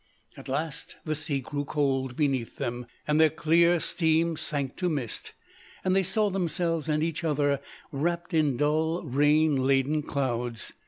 "At last, the sea grew cold beneath them, and their clear steam sank to mist; and they saw themselves and each other wrapped in dull, rain laden clouds.